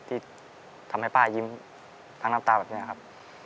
ที่ทำให้ป้ายิ้มทั้งน้ำตาแบบนี้ครับ